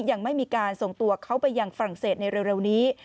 ยังไม่มีการส่งตัวเขาไปยังฝรั่งเศสในเร็วนี้